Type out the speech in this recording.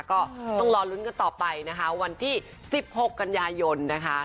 ก็ต้องรอลุ้นกันต่อไปนะคะวันที่๑๖กันยายนนะคะ